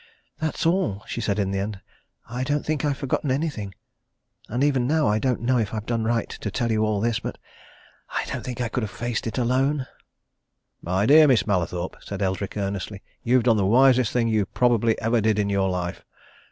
"That's all," she said in the end. "I don't think I've forgotten anything. And even now, I don't know if I've done right to tell you all this. But I don't think I could have faced it alone!" "My dear Miss Mallathorpe!" said Eldrick earnestly. "You've done the wisest thing you probably ever did in your life!